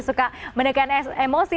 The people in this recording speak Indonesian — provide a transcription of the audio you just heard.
suka mendekatkan emosi